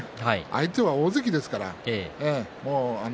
相手は大関ですから。